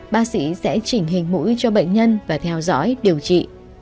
bác sĩ sẽ chỉnh hình mũi cho bệnh nhân và theo dõi điều trị